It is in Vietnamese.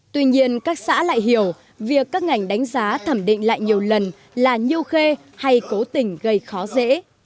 tuy nhiên các xã lại hiểu việc các ngành đánh giá thẩm định lại nhiều lần là nhu khê hay cố tình gây khó dễ